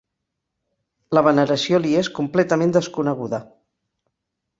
La veneració li és completament desconeguda.